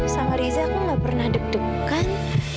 sama riza aku gak pernah deg degan